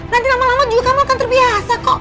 nanti lama lama juga kamu akan terbiasa kok